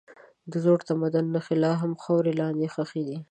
د زوړ تمدن نښې لا هم خاورو لاندې ښخي دي.